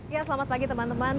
ya selamat pagi teman teman